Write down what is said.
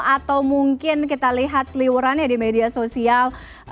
atau mungkin kita lihat seliwurannya di media sosial